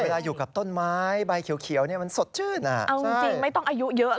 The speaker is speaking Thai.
เวลาอยู่กับต้นไม้ใบเขียวมันสดชื่นน่ะ